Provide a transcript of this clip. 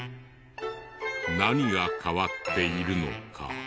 何が変わっているのか。